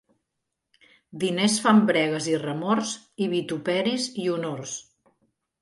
Diners fan bregues i remors, i vituperis i honors.